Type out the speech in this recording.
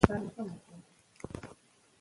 خپلواک اوسئ.